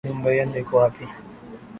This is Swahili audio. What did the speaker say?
Nyumba yenu iko wapi